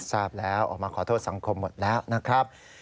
ทราบแล้วออกมาขอโทษสังคมหมดแล้วนะครับ